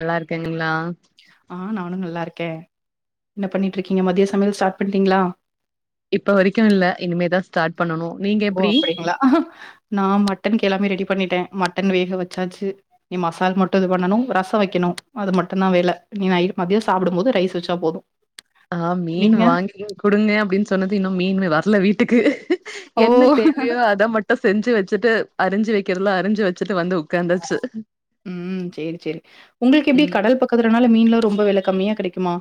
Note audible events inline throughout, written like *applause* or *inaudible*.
நல்லா இருக்கீங்ளா ஆ நானு நல்லாருக்கே என்ன பண்ணிட்ருக்கீங்க மதிய சமையல் ஸ்டார்ட் பண்ட்டீங்ளா இப்ப வரைக்கு இல்ல இனிமேதா ஸ்டார்ட் பண்ணனு நீங்க எப்டி ங்களா ஆ ஹா நா மட்டனுக்கு எல்லாமே ரெடி பண்ணிட்டே மட்டன் வேக வச்சாச்சு இனி மசால் மட்டு இது பண்ணனு ரச வக்கெணு அது மட்டுந்தா வேல இனி நைட் மதிய சாப்டம் போது ரைஸ் வச்சா போது ஆ மீனு வாங்கி வந்து குடுங்க அப்டின் சொன்னது இன்னு மீனுமே வர்ல வீட்டுக்கு ஓ! என்ன தேவையோ அத மட்டு செஞ்சு வெச்சுட்டு அறிஞ்சு வெக்கிறதுலா அறிஞ்சு வெச்சிட்டு வந்து ஒக் ம் சேரி சேரி உங்களுக்கு எப்டி ம் கடல் பக் க்கத்துலனால மீன்லா ரொம்ப வெல கம்மியா கெடைக்குமா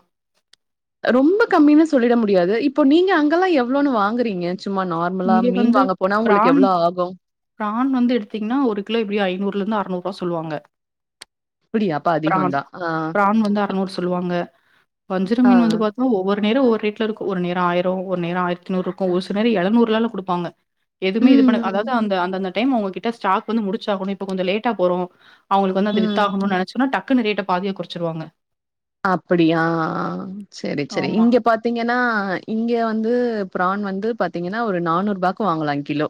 ரொம்ப கம்மினு சொல்லிட முடியாது இப்போ நீங்க அங்கலா எவ்ளோன்னு வாங்குறீங்க சும்மா நார்மலா இங்க மீன் வந்து வாங்க போனா உங்களுக்கு பிரான் எவ்ளோ ஆகு பிரான் வந்து எடுத்தீங்னா ஒரு கிலோ எப்டியு ஐநூறுல இருந்து அறநூறுவா சொல்லுவாங்க அப்டியா அப்ப பிரான் அதிகந்தா. ஆ பிரான் வந்து அறநூறு சொல்லுவாங்க வஞ்சர ஆ மீனு வந்து பாத்தா ஒவ்வொரு நேர ஒவ்வொரு ரேட்ல இருக்கு ஒரு நேர ஆயரோ ஒரு நேர ஆயிரத்தி நூறு இருக்கு ஒரு சில நேர எழநூறு ரூவால குடுப்பாங்க எதுமே இது ம் பண்ண ம் அதாவ்து அந்த அந்தந்த டைம் அவ்ங்கக்கிட்ட ஸ்டாக் வந்து முடிச்சாகணு இப்ப கொஞ்ச லேட்டா போறோ அவ்ங்களுக்கு வந்து அது ம். வித்தாகணு நெனைச்சோனா டக்குனு ரேட்ட பாதியா கொறச்சிருவாங்க அப்டியா செரி செரி ஆமா. இங்கப் பாத்தீங்கனா இங்க வந்து பிரான் வந்து பாத்தீங்கனா ஒரு நானூறுபாக்கு வாங்கலா கிலோ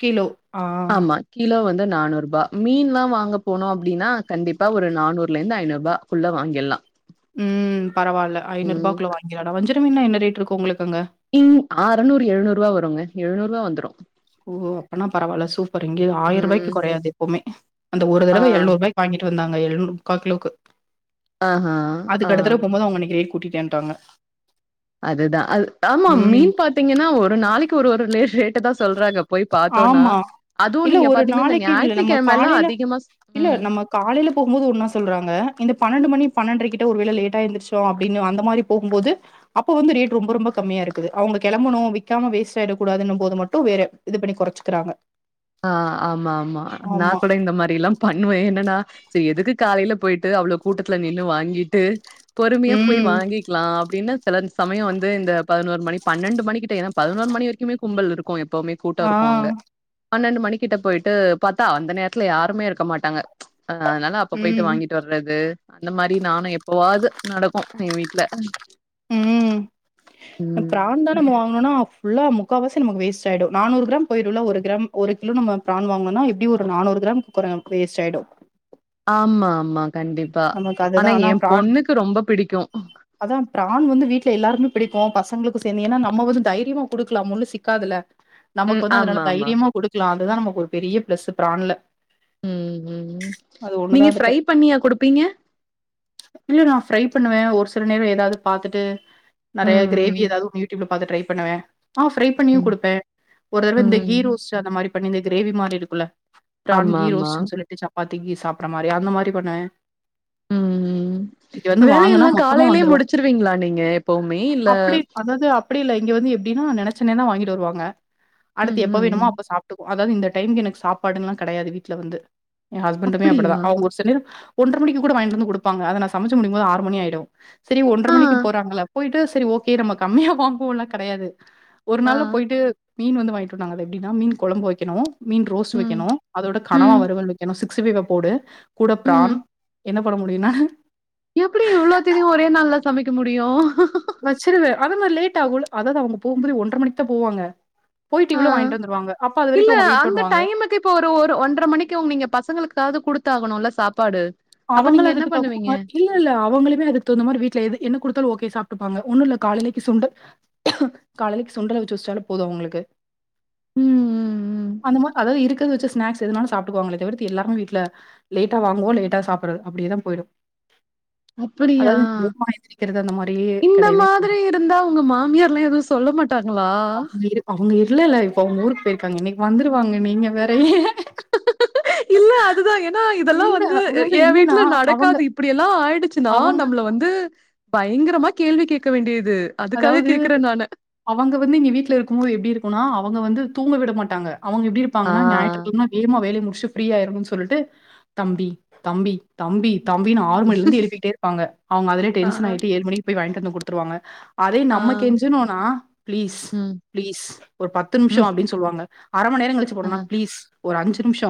கிலோ ஆ ஆமா. கிலோ வந்து நானூறுபா மீன்லா வாங்க போனோ அப்டினா கண்டிப்பா ஒரு நானூறுலருந்து ஐநூறுபா ஃபுல்லா வாங்கிர்லா ம் பரவால்ல ஐநூறுபாக்குள்ள வாங்கிர்லாடா வஞ்சர மீன்லா என்ன ரேட் இருக்கு உங்களுக்கு அங்க இங் அறநூறு எழுநூறுவா வருங்க எழுநூறுவா வந்துரு ஓ அப்பனா பரவால்ல சூப்பர் இங்கே ம். ஆயர்ரூவாய்க்கு கொறையாது எப்பவுமே அந்த ஒரு ஆ. தடவ எழநூறுவாய்க் வாங்கிட்டு வந்தாங்க எழுநூறு முக்கா கிலோக்கு ஆஹா. ஆ. அதுக்கடுத்தடவ போம்போது அவுங்க அன்னைக்கு ரேட் கூட்டிட்டேன்ட்டாங்க அதுதா அது ஆமா ம். மீன் பாத்தீங்கனா ஒரு நாளைக்கு ஒரு ஒரு *unintelligible* ட்டு தா சொல்றாங்க போய் பாத்தோனா ஆமா. அதுவு இல்ல நீங்க ஒரு பாத்தீங்னா இந்த நாளைக்குன்னு இல்ல ஞாயித்துக்கெழமலா அதிகமாஸ் ம் காலைல போகும்போது ஒன்னா சொல்றாங்க இந்த பன்னெண்டு மணி பன்னென்ரை கிட்ட ஒருவேள லேட்டா எந்திரிச்சோ அப்டின்னு அந்த மாரி போகும்போது அப்ப வந்து ரேட் ரொம்ப ரொம்ப கம்மியா இருக்குது அவுங்க கெளம்பணு விக்காம வேஸ்ட் ஆயிடக் கூடாதுன்னும் போது மட்டு வேற இது பண்ணி கொறச்சுக்கிறாங்க ஆ ஆமா ஆமா நா ஆமா கூட இந்த மாரிலாம் பண்ணுவே என்னன்னா சேரி எதுக்கு காலைல போயிட்டு அவ்ளோ கூட்டத்துல நின்னு வாங்கிட்டு பொறுமையா போய் ம் வாங்கிக்லா அப்டின்னு சில சமயம் வந்து இந்த பதினோரு மணி பன்னெண்டு மணிக்கு டே ஏன்னா பதினோரு மணி வரைக்குமே கும்பல் இருக்கு எப்பவுமே கூட்ட ஆ இருக்கு அங்க பன்னெண்டு மணிக்கிட்ட போய்ட்டு பாத்தா அந்த நேரத்துல யாருமே இருக்க மாட்டாங்க அதனால அப்ப போய்ட்டு ம் வாங்கிட்டு வர றது அந்த மாரி நானு எப்பவாது நடக்கு என் வீட்ல ம் ம். கிராந்தா நம்ம வாங்குனனா ஃபுல்லா முக்கால்வாசி நமக்கு வேஸ்ட் ஆய்டு நானூறு கிராம் போய்டும்ல ஒரு கிராம் ஒரு கிலோ நம்ம பிரான் வாங்குனோனா எப்டி ஒரு நானூறு கிராம் குர வேஸ்ட் ஆய்டு ஆமா மா கண்டிப்பா நமக்கு அதுதா ஆனா என் பிரான் பொண்ணுக்கு ரொம்ப புடிக்கு அதா பிரான் வந்து வீட்ல எல்லாருக்குமே புடிக்கு பசங்களுக்கு சேர்ந்து ஏன்னா நம்ம வந்து தைரியமா குடுக்கலா முல்லு சிக்காதுல நமக்கு ம். வந்து அதனால ஆமாமா. தைரியமா குடுக்கலா அதுதா நமக்கு ஒரு பெரிய ப்ளஸ்சு பிரான்ல ம் ம் அது ஒண்ணுதா நீங்க அதுட்ட ஃப்ரை பண்ணியா குடுப்பீங்க இல்ல நா ஃப்ரை பண்ணுவே ஒரு சில நேர எதாவது பாத்துட்டு நெறய கிரேவி ம், எதாவது யூடியூப்ல பாத்து ட்ரை பண்ணுவ ஆ‌ ஃப்ரை பண்ணியு ம், குடுப்ப ஒரு தடவ ம், இந்த கீ ம். ரோஸ்ட் அந்த மாரி பண்ணி இந்த கிரேவி மாரி இருக்குல பிரான் ஆமா, கீ ஆமா. ரோஸ்ட்ன்னு சொல்லிட்டு சப்பாத்திக்கு சாப்ட்ற மாரி அந்த மாரி பண்ணுவ ம் வந்து வாங்குனா வேலைல்லா மொத்தமா காலைலயே வந்துரு முடிச்சிருவீங்ளா நீங்க எப்பவுமே இல்ல அப்டி அதாவது அப்டி இல்ல இங்க வந்து எப்டின்னா நெனச்ச நேர வாங்கிட்டு வருவாங்க ம், அடுத்து எப்ப ம். வேணுமோ ம். அப்ப சாப்ட்டுக்குவோ அதாவது இந்த டைமுக்கு எனக்கு சாப்பாடுன்லா கெடையாது வீட்ல வந்து என் ஹஸ்பண்டுமே அப்படியா? அப்டிதா அவங்க ஒரு சில நேர ஒன்ற மணிக்கு கூட வாயின்ட்டு வந்து குடுப்பாங்க அத நா சமச்சி முடிக்கு போது ஆறு மணி ஆய்டு சரி ஒன்ற ஆ. மணிக்கு போறாங்கள போய்ட்டு செரி ஓகே நம்ம கம்மியா வாங்குவோல்லா கெடையாது ஒரு ஆ. நாள்ல போய்ட்டு மீன் வந்து வாங்கிட்டு வன்ட்டாங்க அது எப்டினா மீன் குழம்பு வைக்கணு மீன் ரோஸ்ட் ம். வைக்கணு அதோட கணவா ம், வருவல் வைக்கனு சிக்ஸ்டி ஃபைவ் போடு கூட ம். பிரான் என்ன பண்ண முடியுனா எப்டி இவ்ளோத்திதயு ஒரே நாள்ல சமைக்க முடியு வச்சிருவ அத மாரி லேட் ஆகுல அதாவது அவுங்க போம்போதே ஒன்ற மணிக்கு தா போவாங்க போய்ட்டு ஆ. இவ்ளோ வாங்கிட்டு வந்ருவாங்க அப்ப அது வரைக்கு அவங்க வெயிட் பண்ணுவாங்க இப்ப ஒரு ஒரு ஒன்றரை மணிக்குங்க நீங்க பசங்களுக்காவது குடுத்தாகணுல்ல சாப்பாடு அப்ப அவங்களு நீங்க என்ன அதுக்கு பண்ணுவீங்க? தகுந்தமார்க்கி இல்ல இல்ல அவங்களுமே அதுக்கு தகுந்த மாரி வீட்ல எது என்ன குடுத்தாலு ஓகே சாப்ட்டுப்பாங்க ஒன்னு இல்ல காலைலக்கு சுண்டல் காலைலக்கு சுண்டல் அவிச்சு வச்சுட்டாலே போது அவங்களுக்கு ம் ம், ம். அந்த மாரி அதாவது இருக்கறத வச்சு ஸ்நாக்ஸ் எதுனாலு சாப்ட்டுக்குவாங்கலே தவிர்த்து எல்லாருமே வீட்ல லேட்டா வாங்குவோ லேட்டா சாப்ட்றது அப்டியேதா போய்டு அப்படியா? அதாவது வேகமா எந்திரிக்கிறது அந்த மாரியே இந்த கெடையவே மாதிரி கெடையாது இருந்தா உங்க மாமியார்ல்லா எதுவு சொல்ல மாட் டாங்ளா அவங்க இரு அவங்க இல்லல இப்ப அவங்க ஊருக்கு போயிருக்காங்க இன்னைக்கு வந்துருவாங்க நீங்க வேற ஏ இல்ல அதுதா ஏன்னா இதெல்லா இல்ல வந்து அதாவது என் என்னன்னா வீட்ல அவங்க நடக்காது இப்டி எல்லா ஆய்டு ச்சுனா அவங்க நம்மள வந்து பயங்கரமா கேள்வி கேக்க வேண்டியது அதுக்காக அதாவது கேட்கிறேன் நானு. அவங்க வந்து இங்க வீட்ல இருக்கு போது எப்டி இருக்குனா அவங்க வந்து தூங்க விட மாட்டாங்க அவங்க எப்டி ஆ. இருப்பாங்கனா ஞாயிற்றுக்கிழம இருமா வேலைய முடிச்சுட்டு ஃப்ரீயா ஆய்ருவோ சொல்லிட்டு தம்பி தம்பி தம்பி தம்பின் ஆறு மணில இருந்து எழுப்பிட்டே இருப்பாங்க அவங்க அதுலயே ஆ, டென்ஷன் ஆய்ட்டு ஏழு மணிக்கு போய் வாங்கிட்டு வ்ந்து குடுத்துருாங்க அதே ஆ, நம்ம கெஞ்சுனோனா பிளீஸ் ம், பிளீஸ் ஒரு பத்து நிமிஷ ம், அப்டின் சொல்லுவாங்க அர மணி நேர கழிச்சி ஆ, போனோனா பிளீஸ் ஒரு அஞ்சு நிமிஷ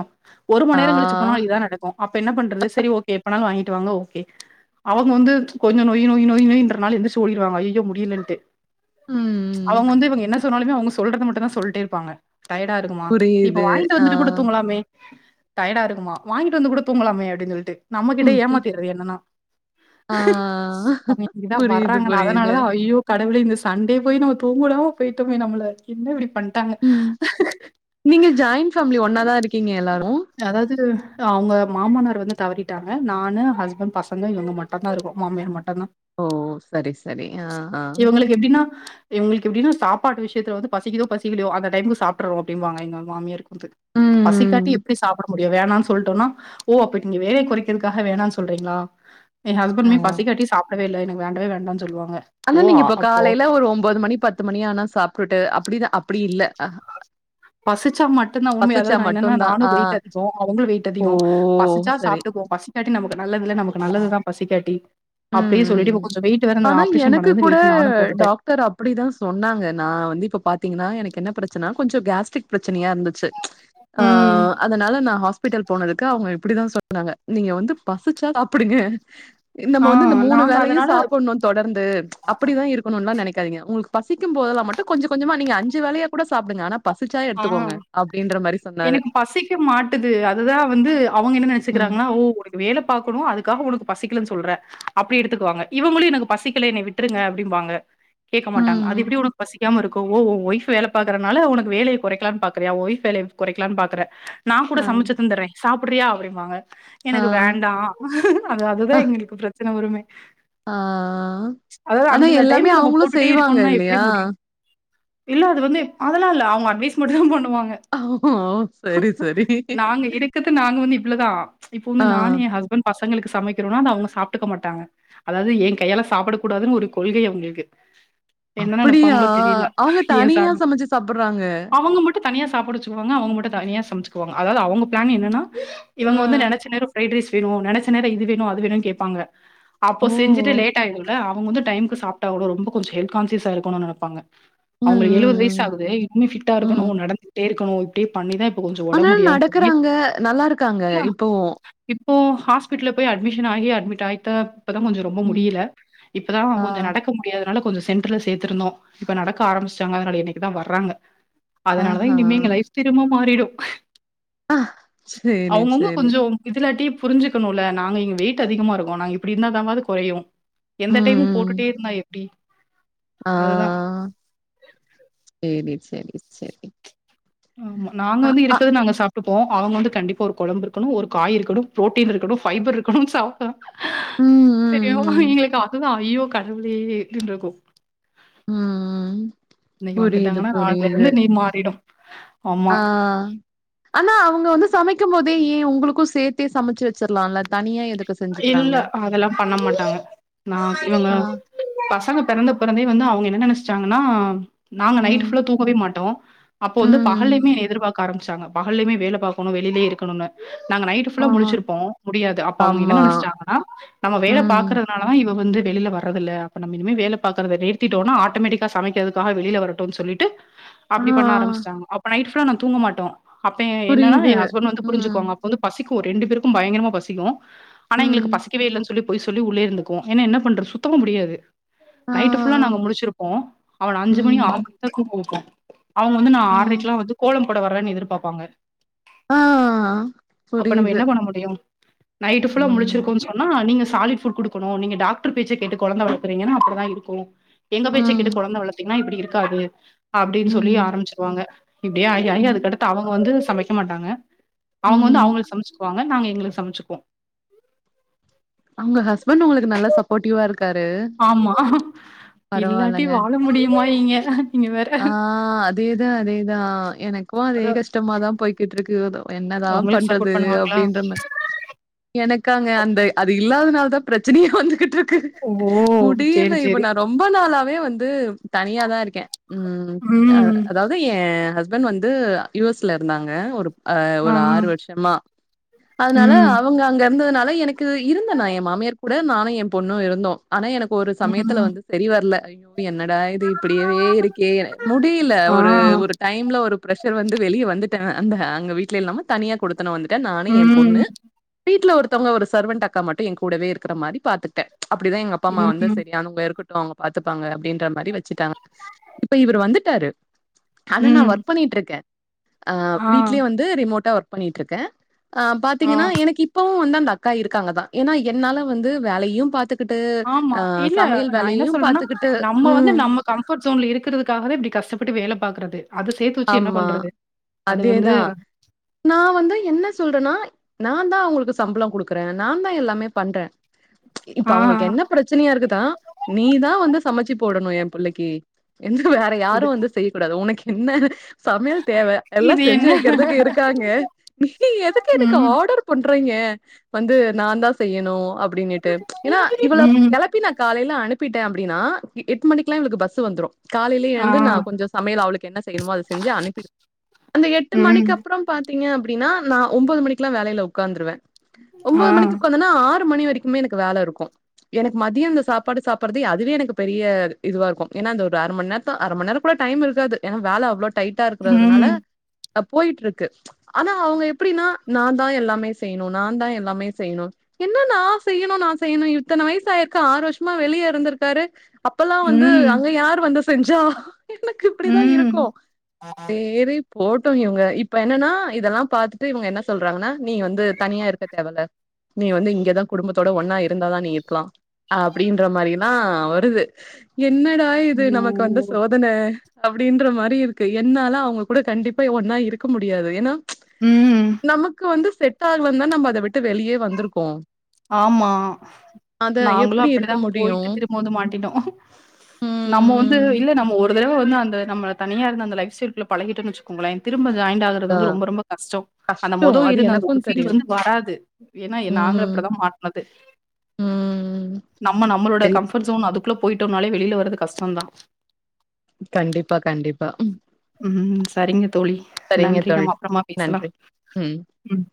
ஒருமணி ஆ, நேர கழிச்சு போனா இதா நடக் அப்ப என்ன பண்றது செரி ஓகே எப்பானலும் வாங்கிட்டு வாங்க ஓகே அவங்க வந்து கொஞ்ச நொய்யி நொய்யி நொய்யி நொய்யின்றனால எந்திருச்சு ஓடிடுவாங்க அய்யய்யோ மு முடிலன்ட்டு ம். அவுங்க வந்து இவங்க என்னா சொன்னாலுமே அவங்க சொல்றத மட்டும் தான் சொல்ட்டே இருப்பாங்க டயர்டா இருக்குமா இப்ப புரியுது. வாங்கிட்டு ஆ, வந்துட்டுகுடுதுங்களாமே டயர்டா இருக்குமா வாங்கிட்டு வந்து கூட தூங்கலாமே அப்டின்னு சொல்லிட்டு நம்மகிட்ட ம், ம், ஏமாத்திறது என்னன்னா ஆ. அவங்க இங்கதான் புரியுது, வர்றாங்க புரியுது. அதனாலதான் ஐயோ கடவுளே இந்த சண்டே போய் நம்ம தூங்கவுடாம போயிட்டோமே நம்மள என்ன இப்டி பண்ட்டாங்க ம். நீங்க ஜாயின்ண்ட் ஃபேமிலி ஒன்னாதான் இருக்கீங்க எல்லாரும் அதாவது அவங்க மாமன்னார் வந்து தவறிட்டாங்க நானு ஹஸ்பண்ட் பசங்க இவங்க மட்டும் மட்டம்தான் இருக்கும் மாமியார் மட்டம்தான் ஓ! சரி, சரி. ஆ, ஆ. இவங்களுக்கு எப்டின்னா இவங்களுக்கு எப்டின்னா சாப்பாட்டு விஷயத்துல பசிக்குதோ பசிக்கலையோ அந்த டையத்துக்கு சாப்டுவோம் அப்டிம்பாங்க எங்க மாமியார் பசி ம். காட்டி எப்டி சாப்ட முடியும் வேணாம்னு சொல்லிட்டோம்னா ஓ அப்டி நீங்க வேல குறைக்கிறதுக்காக வேணாம்னு சொல்றீங்களா என் ஆ. ஹஸ்பண்ட்மே பசிகாட்டி சாப்டவே இல்ல எனக்கு வேண்டவே வேண்டான் சொல்லுவாங்க ஆனா ஓ! நீங்க இப்ப அப்போ காலையில ஒரு ஒம்பது மணி பத்து மணி ஆனா சாப்ட்டுட்டு அப்டிதான் அப்டி இல்ல பசிச்சா மட்டும்தான் உண்மைய பசிச்சா அதாவது நான் என்னன்னா மட்டுந்தா நானும் ஆ வெயிட் அதிகம் அவங்களும் வெயிட் ஓ அதிகம் பசிச்சா சரி சாப்பிட்டுக்குவோம் பசிக்காட்டி நமக்கு நல்லது இல்ல நமக்கு நல்லதுதான் பசிக்காட்டி ம் அப்டியே சொல்லிட்டு ம் இப்ப கொஞ்சோம் வெய்ட்டு வேற அந்த ஆப்ரேஷன் பன்னதுல இருந்து‌ வெயிட் நானும் போட்டுட்டேன் சிஸ்டர் அப்டிதான் சொன்னாங்க நான் வந்து இப்ப பாரத்தீங்கன்னா எனக்கு என்ன பிரச்சன கொஞ்சம் கேஸ்ட்ரிக் பிரச்சனையா இருந்துச்சு ஆ ம். அதனால நான் ஹாஸ் பிடல் போனதுக்கு அவங்க இப்டிதான் சொன்னாங்க நீங்க வந்து பசிச்சா சாப்டுங்க இந்த ஆ வந்து இந்த மூணு நாங்க வேலையும் அதனால சாப்டணும் தொடர்ந்து அப்டிதான் இருக் ஒன் ஒன்னா நெனைக்காதிங்க உங்களுக்கு பசிக்கும் போதல்லாம் மட்டும் கொஞ்சோ கொஞ்சமா நீங்க அஞ்சு வேலையா கூட சாப்டுங்க ஆனா பசிச்சா ஆ. எடுத்துக்கோங்க அப்டின்னு எனக்கு பசிக்க மாட்டுது அதுதான் வந்து அவங்க என்ன ம் நெனைச்சுக்கிறாங்கன்னா ஓ வேலை பாக்கணும் அதுக்காக உனக்கு பசிக்கலன்னு சொல்ற அப்டி எடுத்துக்குவாங்க இவங்களும் எனக்கு பசிக்கல என்னை விட்டுருங்க அப்டிம்பாங்க கேக்க ம் மாட்டாங்க அது ம் எப்டி உனக்கு பசிக்காம இருக்கும் ஓ உ ஒய்ஃப் வேல பாக்குறனால உனக்கு வேலை குறைக்கலாம்னு பாக்குறயா வைஃப் வேலைய குறைக்கலாம்னு பாக்குறே நான் கூட ஆ சமைச்சு தந்துடுறேன் சாப்டுறியா அப்டின்னு வாங்க ஆ எனக்கு வேண்டா அது அ அதுதான் எங்களுக்கு பிரச்சனை வருமே ஆ அதாவது ஆனா அந்தந்த எல்லாமே டைமுக்கு நம்ம அவங்களும் போட்டுட்டே செய்வாங்க இருக்கணும்னா எப்டி இல்லையா? முடியும் இல்ல அது வந்து அதெல்லாம் இல்ல அவங்க அட்வைஸ் மட்டும் தான் பண்ணுவாங்க ஓ! சரி, சரி. நாங்க இருக்கிறது நாங்க வந்து இவ்ளவுதான் இப்ப ஆ. வந்து நானும் என் ஹஸ்பண்ட் பசங்களுக்கு சமைக்கணும்னா அத அவுங்க சாப்ட்டுக்க மாட்டாங்க அதாது ஏ கையால சாப்டக் கூடாதுன்னு ஒரு கொள்கை அவுங்களுக்கு அப்டியா அவங்க ஏன் தனி சார் அவங்க மட்டும் தனியா சாப்பாடு வச்சக்குவாங்க மட்டும் தனிய சமைச்சுக்குவாங்க அதாவது அவங்க பிளான் என்னன்னா ஆ. இவங்க வந்து நெனைச்ச நேரம் ஃபரைட் ரைஸ் வேணும் நெனைச்ச நேரம் இது வேணும் அது வேணும்னு கேப்பாங்க அப்போ ஓ! செஞ்சுட்டு லேட் ஆய்டுதுல அவுங்க வந்து டைம்க்கு சாப்ட்டாகனும் ரொம்ப கொஞ்ச ஹெல்த் கான்சியஸா இருக்கணும்னு நெனப்பாங்க ம், அவங்க எழுபது வயசு ம், ஆகுது இன்னும் ஃபிட்டா ம், ம். இருக்கணும் நடந்துட்டே இருக்கணும் அப்டி பண்ணிதான் இப்ப கொஞ்சோம் ஆனா உடம் முடியாம போய் நடக்குறாங்க. நல்லா இருக்காங்க இப்பவும். இப்போ ஹாஸ்பிட்ல போய் அட்மிஷன் ஆகி அட்மிட் ஆய்ட்டா இப்ப தான் கொஞ்சோம் ரொம்ப ம். முடியல இப்பதான் ஆ. கொஞ்சம் நடக்க நிக்க முடியாதனால கொஞ்சோம் சென்டர்ல சேர்த்துருந்தோம் இப்ப நடக்க ஆரம்பிச்டாங்க அதனால இன்னைக்கு தான் வறாங்க அதனால தா ஆஹா. இனிமே எங்க லைஃப் ஸ்டெயிலே திரும்ப மாறிடும் ஆ. சரி, அவுங்கவுங்க சரி. கொஞ்சோ இதுலாட்டி புரிஞ்சக்கணுல்ல நாங்க இங்க வெயிட் அதிகமா இருக்கோ நாங்க இப்டி இருந்தா தா வாது குறையு ம், எந்த டைமு போட்டுட்டே ம். இருந்தா எப்டி ஆ அதுதான். சேரி சேரி சேரி ஆமா நாங்க வந்து இருக்கறது நாங்க சாப் டுப்போ அவங்க வந்து கண்டிப்பா ஒரு கொழம்பு இருக்கணு ஒரு காய் இருக்கணு புரோடீன் இருக்கணு ஃபைபர் இருக்கணு சா ப்பா ம், ம், தெரியு ம். எங்களுக்கு அதுதா ஐய்யோ கடவுளேன்று இருக்கும் உம் உம் இன்னைக்கு வந்துட்டாங்கன்னா நாட்ல இருந்து நேம் மாறிடும் ஆ ஆமா. ஆனா அவங்க வந்து சமைக்கும் போதே ஏன் உங்களுக்கு சேத்தே சமச்சு வச்சிட்லா இல்ல தனியா எதுக்கு இல்ல செஞ்சுக்கிறாங்க? அதெல்லா பண்ண மாட்டாங்க நா இவங்க ஆ, பசங்க பிறந்த கப்ப இருந்தே வந்து அவங்க என்ன நினச்சிட்டாங்கன்னா நாங்க நைட் ம். ஃபுல்லா தூக்கவே மாட்டோ அப்ப வந்து ம். பகல்லையுமே எதிர்பாக் க ஆரம்பிச்சாங்க பகல்லயுமே வேலை பாக்கணும் வெளிலயே இருக்கணுனு நாங்க நைட்டு ஆ. ஃபுல்லா முழிச்சிருப்போ முடியாது இவங்க என்ன ஆமா. நினைச்சிட்டாங்கன்னா நம்ம வேலை ம். பாக்குற அதனாலதா இவ வந்து வெளில வரதில்ல அப்பநம்ப இனிமே வேலை பாக்கறத நிறுத்திட்டோன ஆட்டோமேட்டிக்கா சமைக்கிறதுக்காக வெளில வரட்டும் சொல்லிட்டு ஆ. அப்டி பண்ண ஆரம்பிச்ட்டாங்க அப்போ நைட்ஃபுல்லா நா தூங்க மாட்டோ அப்ப என்னன்னா புரியுது. என் ஹஸ்பண்ட் வந்து ம். புரிஞ்சுக்கோங்க வந்து பசிக்கும் ரெண்டு பேருக்கும் பயங்கரமா பசிக்கும் ஆனா ம். எங்களுக்கு பசிக்கவே இல்லன்னு சொல்லி பொய் சொல்லி உள்ளயே இருந்துக்குவோ ஏன்னா என்ன பண்றது சுத்தமா முடியாது ஆ. நைட்டு ஃபுல்லா நாங்க முழிச்சிருப்போ அவன அஞ்சு மணி ம். ஆறு மணிக்கு தா தூங்க வெப்போ அவங்க வந்து நா ஆ. ஆரைக்கெல்லா வந்து கோலம் போட வர்றேன்னு எதிர்பாப்பாங்க ஆ. அப்ப நம்ம புரியுது. என்ன பண்ண முடியு நைட்டு் ஃபுல்லா ம். முடிச்சிருக்கோன்னு பண்ணா நீங்க சாலிட் ஃபுட் குடுக்கணு நீங்க டாக்டர் பேச்ச கேட்டு கொழந்த வளத்தறீங்கன்னா அப்படிதா இருக்கும் எங்க பேச்சை ம். கேட்டு கொழந்தை வளத்தீங்ன்னா இப்படி இருக்காது அப்டின்னு சொல்லி ம். ஆரம்பிச்சிருவாங்க இப்டியே ஆயி ஆயி ம். அதுக்கடுத்து அவங்க வந்து சமைக்க மாட்டாங்க அவங்க வந்து ம். அவங்களுக்கு சமைச்சுக்குவாங்க ஆனா நாங்க எங்களுக்கு சமைச்சுக்குவோ உங்க ஹஸ்பண்ட் உங்களுக்கு நல்ல சப்போர்ட்டிவா இருக்காரு ஆமா இல்லாட்டி பரவால்லங்க. வாழ முடியுமா இங்க நீங்க வேற ஆ அதே தா அதே தா எனக்கு க்கும் அதே அதா கஷ்டமா தா போய்கிட்டு இருக்கு என்னதா உங்களுக்கு பண்றது சப்போர்ட் பண்ணுவாங்களா அப்டின்ற மாறி எனக்கு அங்க அந்த அது இல்லாதனால தா பிரச்சனையே வந்துகிட்டு இருக் கு ஓ முடியில சேரி இப்ப சேரி நா ரொம் ப நாளாவே வந்து தனியா தா இருக்க உம் ம் அதாவது என் ஹஸ்பண்ட் வந்து யு எஸ் ல இருந்தாங்க ஒரு அ ஆ ஒரு ம் ஆறு வருஷமா அதனால ம் அவ அவங்க அங்க இருந்ததுனால எனக்கு இருந்த நா என் மாமியார் கூட நானும் என் பொண்ணும் இருந்தோ ஆனா எனக்கு ஒரு சமயத்துல வந்து சரி வரல ஐய்யோ என்னடா இது அப்படியவே இருக்கே முடியல ஆ ஒரு ஒரு டைம்ல ஒரு ப்ரஷர் வந்து வெளிய வந்துட்டே அந்த அங்க வீ்ட்ல இல்லாம தனியா குடுத்தனம் வந்துட்ட நானு ய ம் பொண்ணு வீட்ல ஒருத்தவுங்க ஒரு சர்வன்ட் அக்கா மட்டு என் கூடவே இருக்கிற மாறி பாத்துடடே அப்படிதா எங்க அப்பா அம்மா வந்து ம் சரியானவங்க இருக்கட்டு அவங்க பாத்துப்பாங்க அப்படின்ற மாறி வச்சுட்டாங்க இப்ப இவர் வந்துட்டாரு அது நா ம் ஒர்க் பண்ணிட்டு இருக்கே அ ஆ வீட்லயே வந்து ரிமோட்டா ஒர்க் பண்ணிட் இருக்கே ஆ ஆ பாத்தீங்கன்னா எனக்கு இப்பவு வந்து அந்த அக்கா இருக்காங்க தா ஏனா என்னால வந்து வேலையியு பாத்து ட்டு ஆமா அ இல்ல சமையல் நா என்ன வேலையையு சொல்றேன்னா பாத்துகுட்டு நம்ம வந்து ம் நம்ம கம்ஃபர்ட் ஜூன்ல இருக்கிறதுக்காகதா இப்டி கஷ்டப்பட்டு வேல பாக்கறது. அது சேத்து வெச்சு என்ன ஆமா பண்றது அது வந்து அதேதா நா வந்து என்ன சொல்றன்னா நாந்தா அவுங்குளுக்கு சம்பளோ குடுக்குறே நாந்தா எல்லாமே பண்றே. இப்ப ஆ அவுங்குளுக்கு என்ன பிரச்சனையா இருக்குதா நீதா வந்து சமைச்சி போடணு எ புள்ளைக்கி என்ன வேற யாரு இது வந்து செய்யக்கூடாது உனக்கென்ன சமையல் தேவை எல்லா இது செஞ்சு என்ன வெக்கிறதுக்கு இருக்காங்க நீ எதுக்கு எனக்கு ம் ஆடர் பண்றாய்ங்க வந்து நாந்தா செய்யணு அப்படினிட்டு ஏனா இவளப் ம் கெள ப்பி நா காலைல அனுப்பிட்டே அப்டினா எட் மணிக்லா இவுளுக்கு பஸ்சு வந்துரு காலைலியே ஆ எழுந்து நா கொஞ்சோ ஸ் சமையல் அவுளுக்கு என்ன செய்யணுமோ அது செஞ்சு அனுப்பிடு அந்த எட்டு ம் மணிக்கு அப்புறம் பாத்திங்க அப்டின்னா நா ஒம்போது மணிக்லா வேலைல உக்காந்துருவே ஆ ஒம்போது மணிக்கு உக்கா ந்தனா ஆறு மணி வரைக்குமே எனக்கு வேல இருக்கு. எனக்கு மதியோ அந்த சாப்பாடு சாப்பறதே அதுவே எனக்கு பெரிய இதுவா இருக்கு ஏனா அந்த ஒரு அர மண் நேர த்த அரை மண் நேரக்கூட டைம் இருக்காது ஏனா வேல அவ்ளோ டைட்டா இருக்றதுனால ம் அ போயிட்ருக்கு. ஆனா அவுங்க எப்பிடினா நாந்தா எல்லாமே செய்ணு நாந்தா எல்லாமே செய்ணு என்ன நா செய்யணு நா செய்யணு இத்தன வயசு ஆயிருக்கு ஆறு வருஷமா வெளிய இருந்திருக்காரு. அப்பல்லா வந்து ம் அங்க யாரு வந்து செஞ்சா எனக்கு இப்பிடிதா ம் இருக்கு. சேரி போவுட்டு இவுங்க இப்ப என்னன்னா இதெல்லாம் பாத்துட்டு இவுங்க என்ன சொல்றாங்கன்னா நீ வந்து தனியா இருக்க தேவல நீ வந்து இங்கதா குடும்பத்தோட ஒன்னா இருந்தாதா நீ இருக்கலா. அப்டின்ற மாரி எல்லா வருது என்னடா இது ஐயோ நமக்கு வந்த ஸ் சோதன அப்டின்ற மாரி இருக்கு என்னால அவுங்க கூட கண்டிப்பா ஒன்னா இருக்க முடியாது ஏனா ம் நமக்கு வந்து செட்டாகலன்தா நம்ப அத விட்டு வெளியே வந்துருக்கோ. ஆமா நாங்குளு எப்டி இருக்க அப்டிதா முடியு போயிட்டு திரும்ப வந்து மாட்டிட்டோ. நம்ம வந்து ம் இல்ல நம்ம ஒ ருதடவ வந்து அந்த நம்ம தனியாருந்த அந்த லைஃப் ஸ்டைல்குள்ள பழகிட்டோன் வெச்சுக்கோங்களே திரும்ப ஜாயின்டு ஆக றது அ வந்து ரொம்பொ ரொம்பொ கஷ்டோ. அந்த கஷ்டோ மொதொ அது இருந்த அந்த எனக்கு ஒரு ஃபீல் தெரியு வந்து வராது ஏனா எ நாங்கப் ம் பிடிதா மாட்னது. ம் நம்ம நம்மளோட சரி கம்ஃபட்ஜுன் அதுக்குள்ள போயிட்டோன்னாலே வெளில வரது கஷ்டந்தா. கண்டிப்பா கண்டிப்பா ம். ம் சரிங்க தோழி நன்றி தோழி நம்ம அப்பறமா பேசலா நன்றி ம் ம்.